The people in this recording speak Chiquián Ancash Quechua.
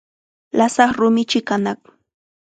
Lasaq rumichi kanaq.